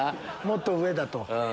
もっと上だと。